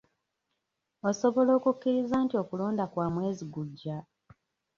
Osobola okukkiriza nti okulonda kwa mwezi gujja?